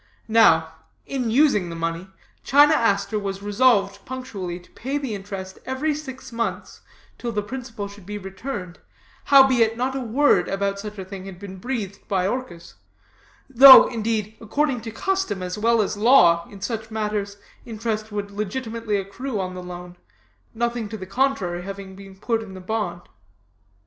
"Now, in using the money, China Aster was resolved punctually to pay the interest every six months till the principal should be returned, howbeit not a word about such a thing had been breathed by Orchis; though, indeed, according to custom, as well as law, in such matters, interest would legitimately accrue on the loan, nothing to the contrary having been put in the bond.